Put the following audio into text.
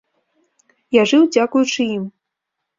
Я жыў дзякуючы ім.